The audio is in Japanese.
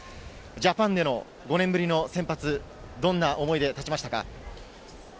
ジャパンでの５年ぶりの先発、どんな思いで立ちましたか？